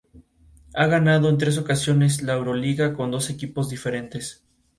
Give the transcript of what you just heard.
En sus edificios emplea con frecuencia las puntas de diamante o modillones de rollo.